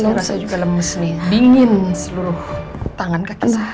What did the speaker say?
saya rasa juga lemes nih dingin seluruh tangan kaki saya